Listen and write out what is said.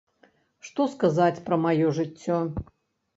Што сказаць пра маё жыццё?